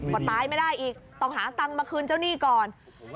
ก็ตายไม่ได้อีกต้องหาตังค์มาคืนเจ้าหนี้ก่อน